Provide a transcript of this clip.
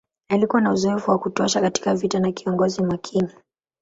Alikuwa na uzoefu wa kutosha katika vita na kiongozi makini.